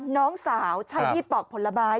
น้องสาวใช้ที่ปลอกผลบ้าย